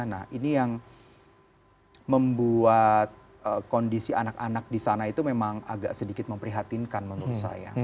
nah ini yang membuat kondisi anak anak di sana itu memang agak sedikit memprihatinkan menurut saya